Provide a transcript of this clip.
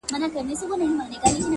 • ستا دی که قند دی ـ